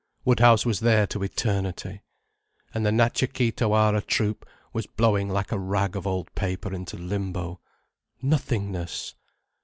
Woodhouse was there to eternity. And the Natcha Kee Tawara Troupe was blowing like a rag of old paper into Limbo. Nothingness!